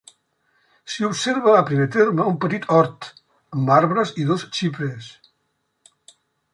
S'hi observa a primer terme un petit hort, amb arbres i dos xiprers.